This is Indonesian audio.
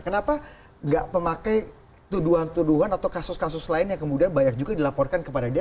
kenapa nggak memakai tuduhan tuduhan atau kasus kasus lain yang kemudian banyak juga dilaporkan kepada dia